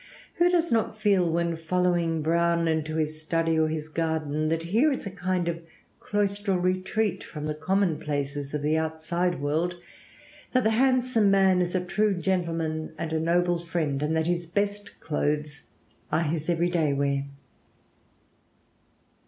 Who does not feel, when following Browne into his study or his garden, that here is a kind of cloistral retreat from the common places of the outside world, that the handsome man is a true gentleman and a noble friend, and that his best clothes are his every day wear?